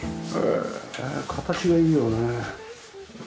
へえ形がいいよね。